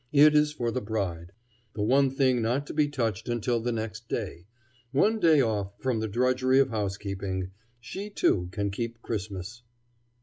It is for the bride, the one thing not to be touched until the next day one day off from the drudgery of housekeeping; she, too, can keep Christmas.